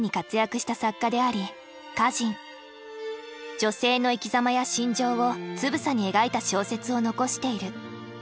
女性の生きざまや心情をつぶさに描いた小説を残している。